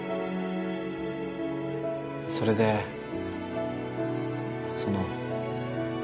それでその。